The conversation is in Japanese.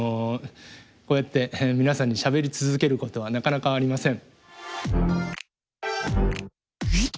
こうやって皆さんにしゃべり続けることはなかなかありません。